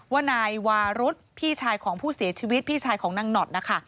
ว่านายวารุธพี่ชายของผู้เสียชีวิตพี่ชายของนางหนอดนะคะ